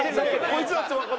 こいつは。